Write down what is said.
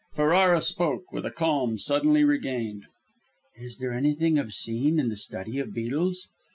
Ferrara spoke, with a calm suddenly regained: "Is there anything obscene in the study of beetles?"